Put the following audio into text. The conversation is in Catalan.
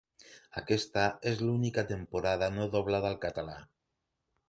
Aquesta és l'única temporada no doblada al català.